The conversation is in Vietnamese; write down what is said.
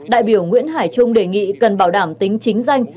đại biểu nguyễn hải trung đề nghị cần bảo đảm tính chính danh